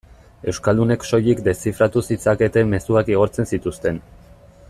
Euskaldunek soilik deszifratu zitzaketen mezuak igortzen zituzten.